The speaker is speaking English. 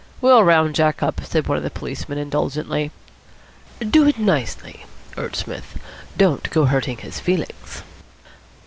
"We'll round Jack up," said one of the policemen indulgently. "Do it nicely," urged Psmith. "Don't go hurting his feelings."